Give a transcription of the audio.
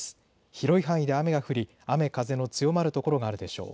広い範囲で雨が降り、雨風の強まる所があるでしょう。